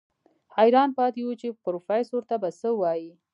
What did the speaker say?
حيران پاتې و چې پروفيسر ته به څه وايي.